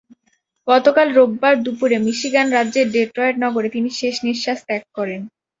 গতকাল রোববার দুপুরে মিশিগান রাজ্যের ডেট্রয়েট নগরে তিনি শেষনিঃশ্বাস ত্যাগ করেন।